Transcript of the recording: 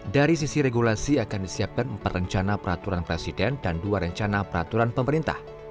dari sisi regulasi akan disiapkan empat rencana peraturan presiden dan dua rencana peraturan pemerintah